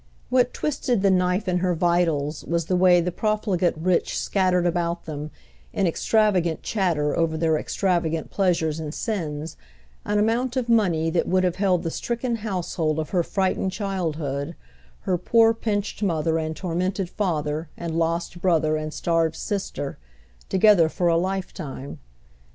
What twisted the knife in her vitals was the way the profligate rich scattered about them, in extravagant chatter over their extravagant pleasures and sins, an amount of money that would have held the stricken household of her frightened childhood, her poor pinched mother and tormented father and lost brother and starved sister, together for a lifetime.